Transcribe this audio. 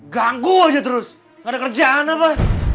ganggu aja terus gak ada kerjaan apa